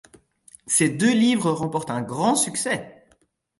Ces deux livres remportèrent un grand succès.